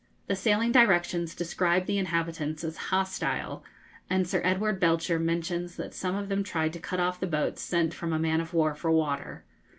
The sailing directions describe the inhabitants as 'hostile,' and Sir Edward Belcher mentions that some of them tried to cut off the boats sent from a man of war for water.